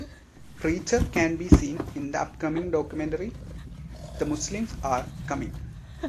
Preacher can be seen in the upcoming documentary, The Muslims Are Coming!